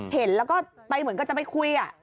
เห็นแล้วก็ไปเหมือนกับจะไปคุย